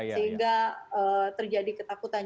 sehingga terjadi ketakutan